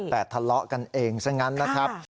แต่ทะเลาะกันเองซะงั้นนะครับ